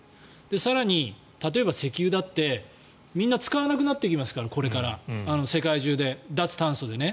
更に例えば石油だってこれからみんな使わなくなってきますから世界中で、脱炭素でね。